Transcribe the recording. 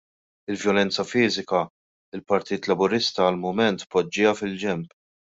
Il-vjolenza fiżika l-Partit Laburista għall-mument poġġieha fil-ġenb.